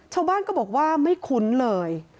ชาวบ้านก็บอกว่าไม่คุ้นเลย